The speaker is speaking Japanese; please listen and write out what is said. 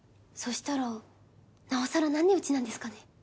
そしたらなおさらなんでうちなんですかね？